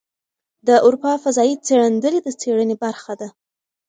د اروپا فضايي څېړندلې د څېړنې برخه ده.